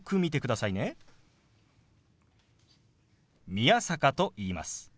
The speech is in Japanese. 宮坂と言います。